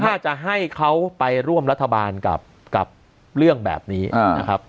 ถ้าจะให้เขาไปร่วมรัฐบาลกับเรื่องแบบนี้นะครับ